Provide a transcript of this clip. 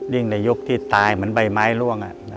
ในยุคที่ตายเหมือนใบไม้ล่วง